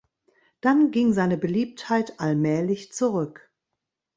Dann ging seine Beliebtheit allmählich zurück.